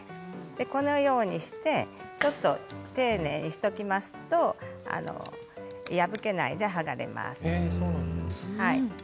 このようにちょっと丁寧にしておきますと破けないで剥がれます。